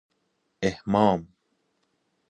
احمام